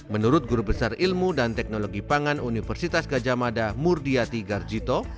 menurut guru besar ilmu dan teknologi pangan universitas gajah mada murdiati garjito